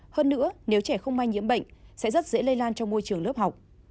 hơn nữa nếu trẻ không may nhiễm bệnh sẽ rất dễ lây lan trong môi trường lớp học